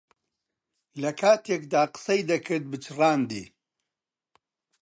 لەکاتێکدا قسەی دەکرد پچڕاندی.